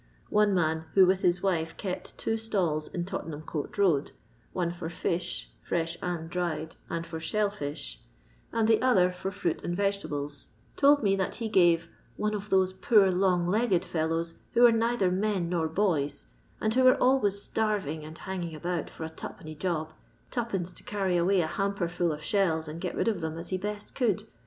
One man, who with his wife kept two stalls in Tottenham Court road, one for fish (fresh and dried) and for shell fish, and the other for fruit and Tage tables, told me that he gave Vone of those poor long legged fellows who were neither men nor boys, and who were always starving and hang ing about for a two penny job, two pence to carry away a hamper full of shells and get rid of them as he best could.